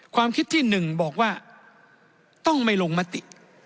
ความคิดที่๑บอกว่าต้องไม่ลงมติ